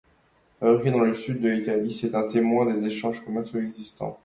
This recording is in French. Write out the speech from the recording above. Fabriqué dans le sud de l'Italie, c'est un témoin des échange commerciaux existants.